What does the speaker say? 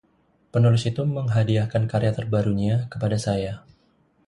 Penulis itu menghadiahkan karya terbarunya kepada saya.